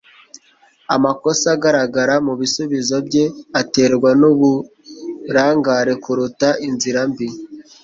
Amakosa agaragara mubisubizo bye aterwa nuburangare kuruta inzira mbi